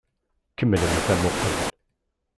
Kemmlemt amuqqel!